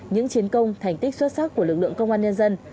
những chiến công thành tích xuất sắc của lực lượng công an nhân dân